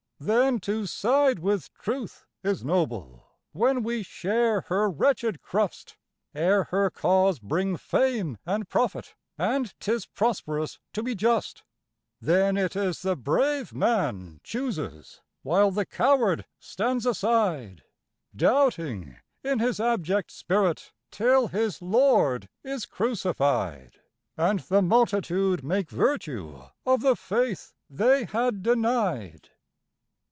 Then to side with Truth is noble when we share her wretched crust, Ere her cause bring fame and profit, and 'tis prosperous to be just; Then it is the brave man chooses, while the coward stands aside, Doubting in his abject spirit, till his Lord is crucified, And the multitude make virtue of the faith they had denied.